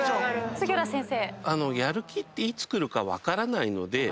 杉浦先生。